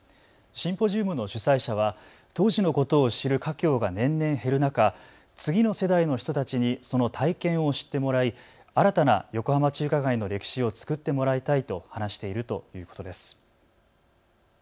シンポジウムの主催者は当時のことを知る華僑が年々減る中、次の世代の人たちにその体験を知ってもらい新たな横浜中華街の歴史を作ってもらいたいと話しているということです。